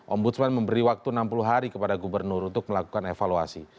ombudsman memberi waktu enam puluh hari kepada gubernur untuk melakukan evaluasi